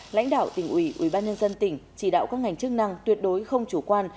lãnh đạo tỉnh ủy ủy ban nhân dân tỉnh chỉ đạo các ngành chức năng tuyệt đối không chủ quan